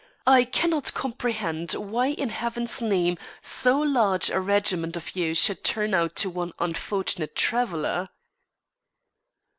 I cannot comprehend why in Heaven's name so large a regiment of you should turn out to one unfortunate traveller."